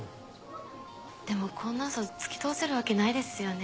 でもこんなウソつきとおせるわけないですよね？